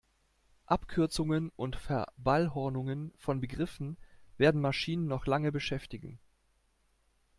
Abkürzungen und Verballhornungen von Begriffen werden Maschinen noch lange beschäftigen.